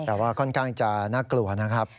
แต่ว่าค่อนข้างจะน่ากลัวนะครับ